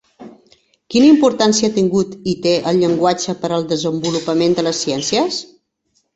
Quina importància ha tingut i té el llenguatge per al desenvolupament de les ciències?